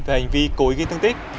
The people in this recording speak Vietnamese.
về hành vi cố ý gây tương tích